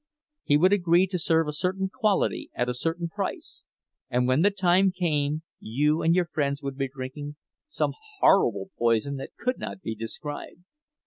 He would agree to serve a certain quality at a certain price, and when the time came you and your friends would be drinking some horrible poison that could not be described.